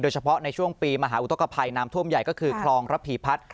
เฉพาะในช่วงปีมหาอุทธกภัยน้ำท่วมใหญ่ก็คือคลองระพีพัฒน์